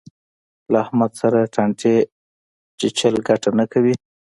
له احمد سره ټانټې ژول ګټه نه کوي.